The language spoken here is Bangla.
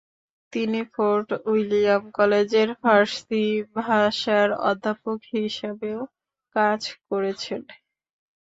তিনি ফোর্ট উইলিয়াম কলেজের ফার্সি ভাষার অধ্যাপক হিসাবেও কাজ করেছেন।